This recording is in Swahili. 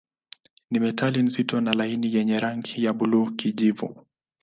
Ni metali nzito na laini yenye rangi ya buluu-kijivu.